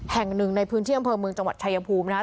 แห่งหนึ่งในพื้นที่อำเภอเมืองจังหวัดชายภูมินะครับ